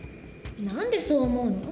何でそう思うの？